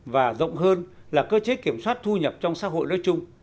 và rộng hơn là cơ chế kiểm soát thu nhập trong xã hội nói chung